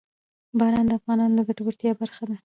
باران د افغانانو د ګټورتیا برخه ده.